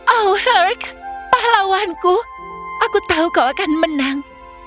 oh herk pahlawanku aku tahu kau akan menang